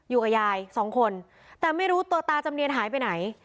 อยู่กับยายสองคนแต่ไม่รู้ตัวตาจำเนียนหายไปไหน